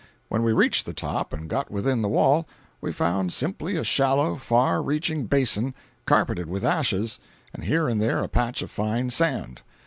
When we reached the top and got within the wall, we found simply a shallow, far reaching basin, carpeted with ashes, and here and there a patch of fine sand.